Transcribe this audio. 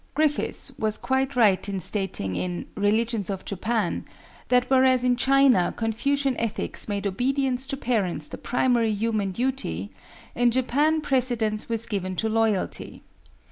Griffis was quite right in stating that whereas in China Confucian ethics made obedience to parents the primary human duty, in Japan precedence was given to Loyalty.